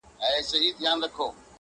څوری څه په نس څه په څنگ.